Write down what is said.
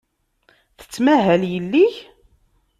Tettmahal yelli-k?